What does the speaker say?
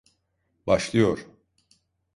Başlıyor.